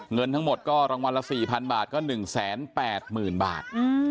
เงินทั้งหมดก็รางวัลละ๔๐๐บาทก็๑๘๐๐๐บาท